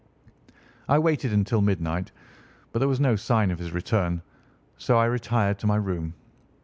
I waited until midnight, but there was no sign of his return, so I retired to my room.